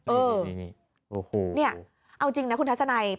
เออนี่เอาจริงนะคุณทัศนัย